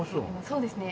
そうですね。